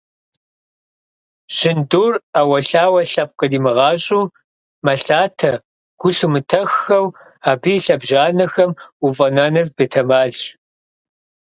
Жьындур, Iэуэлъауэ лъэпкъ иримыгъэщIу, мэлъатэ, гу лъумытэххэу абы и лъэбжьанэхэм уфIэнэныр бетэмалщ.